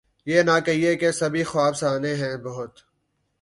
یہ نہ کہیے کہ سبھی خواب سہانے ہیں بہت